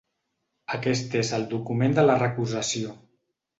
Aquest és el document de la recusació.